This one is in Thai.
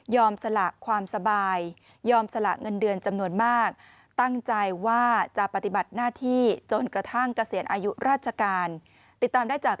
สละความสบายยอมสละเงินเดือนจำนวนมากตั้งใจว่าจะปฏิบัติหน้าที่จนกระทั่งเกษียณอายุราชการติดตามได้จาก